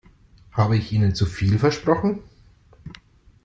Habe ich Ihnen zu viel versprochen?